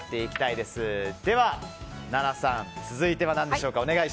では、ナナさん続いては何でしょうか。